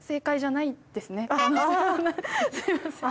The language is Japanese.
すみません。